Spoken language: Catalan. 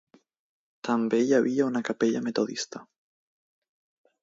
També hi havia una capella metodista.